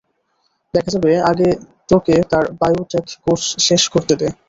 দেখা যাবে, আগে তাকে তার বায়ো টেক কোর্স শেষ করতে দে।